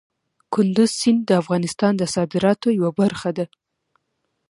کندز سیند د افغانستان د صادراتو یوه برخه ده.